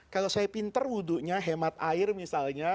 kalau saya pintar wudunya hemat air misalnya